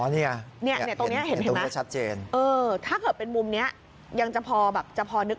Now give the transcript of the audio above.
อ๋อเนี่ยตรงนี้เห็นไหมถ้าเกิดเป็นมุมนี้ยังจะพอนึกภาพออก